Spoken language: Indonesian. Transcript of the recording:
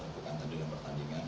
bukan tadi dalam pertandingan